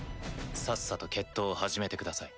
さっさと決闘を始めてください。